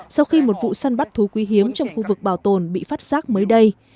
sau khi một vụ săn bắt thú quý hiếm trong khu vực bảo tồn bị phát giác mới đây